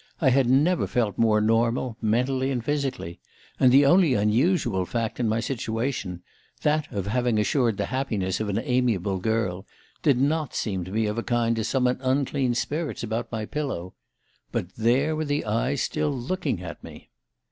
I had never felt more normal, mentally and physically; and the only unusual fact in my situation that of having assured the happiness of an amiable girl did not seem of a kind to summon unclean spirits about my pillow. But there were the eyes still looking at me